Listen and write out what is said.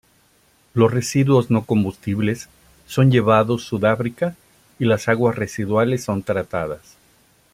Los residuos no combustibles son llevados Sudáfrica y las aguas residuales son tratadas.